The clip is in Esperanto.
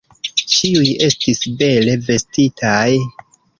Ĉiuj estis bele vestitaj.